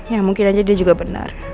ya mungkin aja dia juga benar